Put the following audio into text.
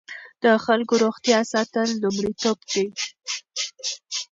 د خلکو روغتیا ساتل لومړیتوب دی.